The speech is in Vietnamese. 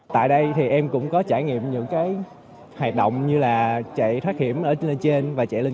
tại đây thì em cũng có trải nghiệm những cái hoạt động như là chạy thoát hiểm ở trên và chạy lên